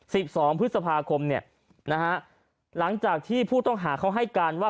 สิบสองพฤษภาคมเนี่ยนะฮะหลังจากที่ผู้ต้องหาเขาให้การว่า